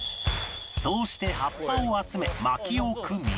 そうして葉っぱを集め薪を組み